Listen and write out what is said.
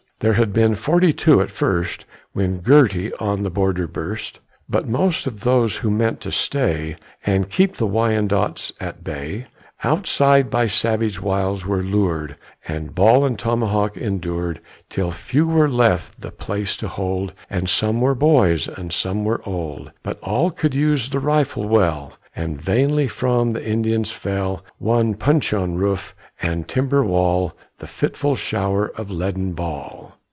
There had been forty two at first When Girty on the border burst; But most of those who meant to stay And keep the Wyandots at bay, Outside by savage wiles were lured, And ball and tomahawk endured, Till few were left the place to hold, And some were boys and some were old; But all could use the rifle well, And vainly from the Indians fell, On puncheon roof and timber wall, The fitful shower of leaden ball.